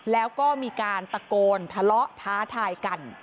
แล้วก็มีการตะโกนทะเลาะท้าทายกัน